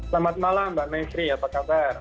selamat malam mbak mesri apa kabar